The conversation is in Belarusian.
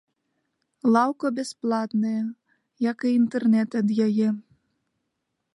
Лаўка бясплатная, як і інтэрнэт ад яе.